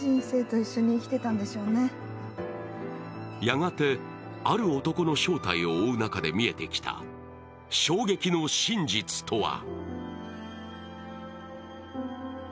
やがて、ある男の正体を追う中で見えてきた衝撃の真実とは。